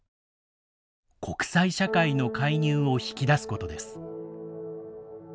国際社会の介入を引き出すことです。